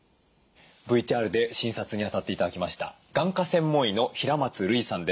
ＶＴＲで診察にあたって頂きました眼科専門医の平松類さんです。